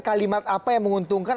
kalimat apa yang menguntungkan